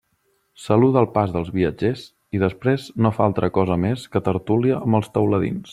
Saluda el pas dels viatgers i després no fa altra cosa més que tertúlia amb els teuladins.